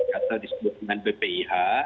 kata disebut dengan bpih